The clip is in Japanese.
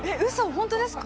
本当ですか？